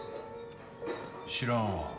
知らんわ。